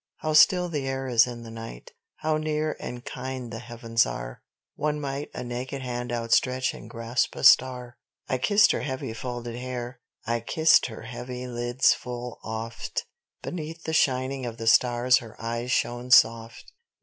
(How still the air is in the night, how near and kind the heavens are, One might a naked hand outstretch and grasp a star!) I kissed her heavy, folded hair. I kissed her heavy lids full oft; Beneath the shining of the stars her eyes shone soft.